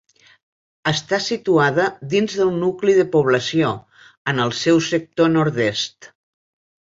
Està situada dins del nucli de població, en el seu sector nord-est.